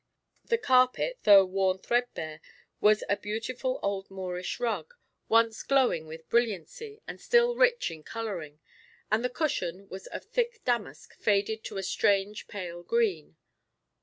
The carpet though worn threadbare, was a beautiful old Moorish rug, once glowing with brilliancy, and still rich in colouring, and the cushion was of thick damask faded to a strange pale green.